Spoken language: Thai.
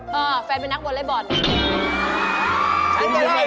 เดี๋ยวน่ะ